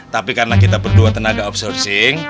tapi karena kita berdua tenaga outsourcing